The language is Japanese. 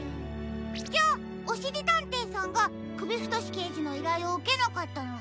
じゃあおしりたんていさんがくびふとしけいじのいらいをうけなかったのは？